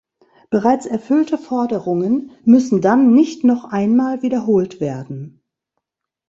Bereits erfüllte Forderungen müssen dann nicht noch einmal wiederholt werden.